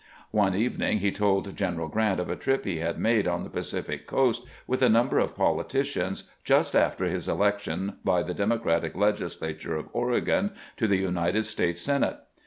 One even ing he told General Grant of a trip he had made on the Pacific coast with a number of politicians just after his election by the Democratic legislature of Oregon to the United States Senate.